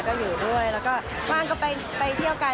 ก็อยู่ด้วยแล้วก็ว่างก็ไปเที่ยวกัน